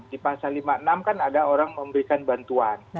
di pasal lima puluh enam kan ada orang memberikan bantuan